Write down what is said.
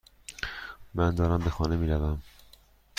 من دارم به خانه میروم.